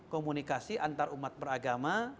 komunikasi antarumat beragama